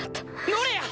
ノレア！